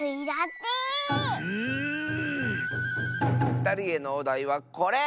ふたりへのおだいはこれ！